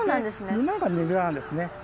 で沼がねぐらなんですね。